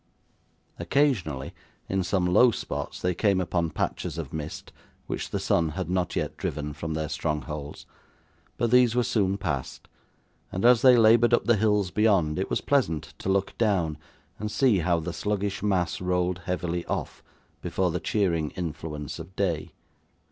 Occasionally, in some low spots they came upon patches of mist which the sun had not yet driven from their strongholds; but these were soon passed, and as they laboured up the hills beyond, it was pleasant to look down, and see how the sluggish mass rolled heavily off, before the cheering influence of day.